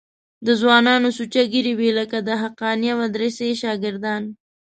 د ځوانانو سوچه ږیرې وې لکه د حقانیه مدرسې شاګردان.